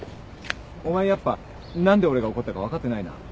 お前やっぱ何で俺が怒ったか分かってないな。